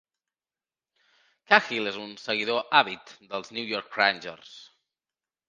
Cahill és un seguidor àvid dels New York Rangers.